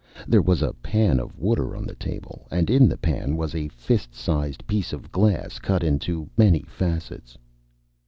There was a pan of water on the table, and in the pan was a fist sized piece of glass cut into many facets.